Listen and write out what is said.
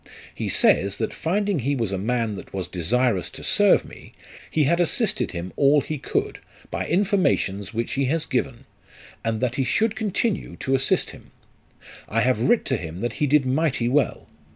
He says, that finding he was a man that was desirous to serve me, he had assisted him all he could, by informations which he has given ; and that he should continue to assist him. I have writ to him that he did mighty well.